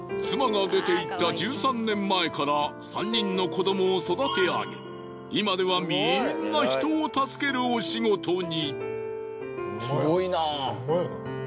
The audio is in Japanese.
妻が出て行った１３年前から３人の子どもを育てあげ今ではみんな人を助けるお仕事に。